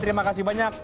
terima kasih banyak